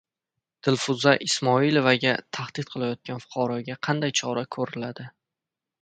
Dilfuza Ismoilovaga tahdid qilayotgan fuqaroga qanday chora ko‘riladi?